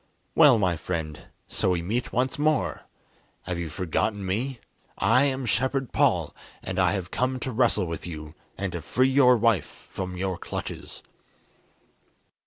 "Well, my friend, so we meet once more! Have you forgotten me? I am Shepherd Paul, and I have come to wrestle with you, and to free your wife from your clutches."